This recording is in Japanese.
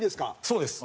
そうです。